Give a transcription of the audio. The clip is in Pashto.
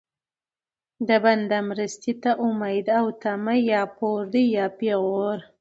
د بنده مرستې ته امید او طمع یا پور دی یا پېغور دی